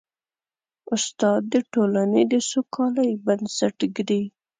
استاد د ټولنې د سوکالۍ بنسټ ږدي.